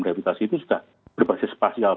rehabilitasi itu sudah berbahasa spasial